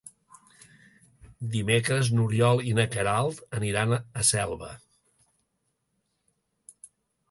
Dimecres n'Oriol i na Queralt aniran a Selva.